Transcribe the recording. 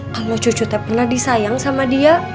kalau cucutnya pernah disayang sama dia